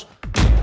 tidak pak bos